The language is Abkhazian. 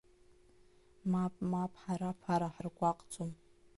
Мап, мап, ҳара аԥара ҳаргәаҟӡом!